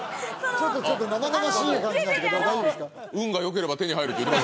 ちょっと生々しい感じなんだけど大丈夫ですか？